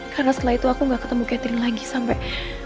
karena setelah itu aku gak ketemu catherine lagi sampai